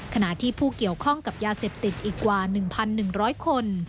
ขณะที่ผู้เกี่ยวข้องกับยาเสพติดอีกกว่า๑๑๐๐คน